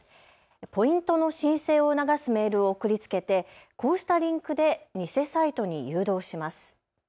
ポイントの申請を促すメールを送りつけてこうしたリンクで偽サイトに誘導します。